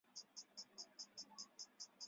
梅西毕业于美国戈达德学院。